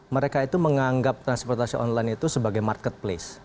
mereka itu menganggap transportasi online itu sebagai marketplace